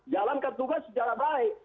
jalankan tugas secara baik